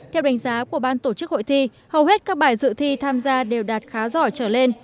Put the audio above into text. theo đánh giá của ban tổ chức hội thi hầu hết các bài dự thi tham gia đều đạt khá giỏi trở lên